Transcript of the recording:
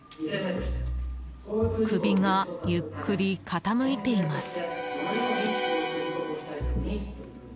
首がゆっくり傾いています。